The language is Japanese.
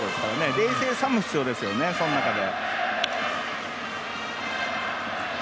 冷静さも必要ですよね、その中で。